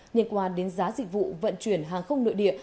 liên quan đến giá dịch vụ vận chuyển hàng không nội địa